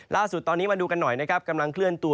ล่าสุดตอนนี้มาดูกันหน่อยนะครับกำลังเคลื่อนตัว